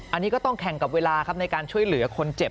อันนี้ก็ต้องแข่งกับเวลาครับในการช่วยเหลือคนเจ็บ